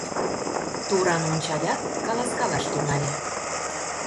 Туран ончалят, каласкалаш тӱҥале: